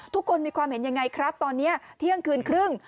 ทุกคนมีความเห็นยังไงครับตอนนี้เที่ยงคืนครึ่ง